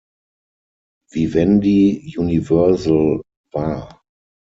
Vivendi Universal war.